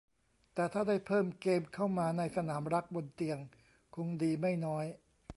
แต่ถ้าได้เพิ่มเกมเข้ามาในสนามรักบนเตียงคงดีไม่น้อย